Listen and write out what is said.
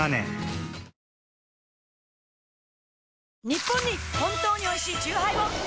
ニッポンに本当においしいチューハイを！